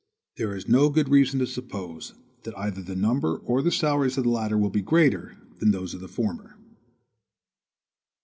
There is no good reason to suppose that either the number or the salaries of the latter will be greater than those of the former.